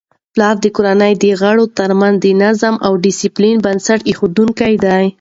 پلار د کورنی د غړو ترمنځ د نظم او ډیسپلین بنسټ ایښودونکی دی.